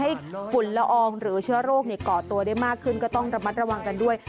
ฝุ่นละอองหรือเชื้อโรคก่อตัวได้มากขึ้นก็ต้องระมัดระวังกันด้วย